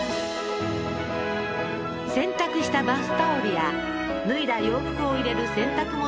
洗濯したバスタオルや脱いだ洋服を入れる洗濯物